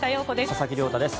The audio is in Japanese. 佐々木亮太です。